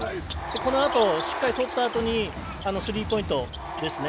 このあと、しっかりとったあとにスリーポイントですね。